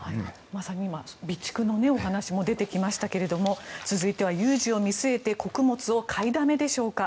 まさに今、備蓄のお話も出てきましたが続いては有事を見据えて穀物を買いだめでしょうか。